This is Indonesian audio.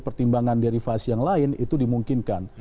pertimbangan dari fase yang lain itu dimungkinkan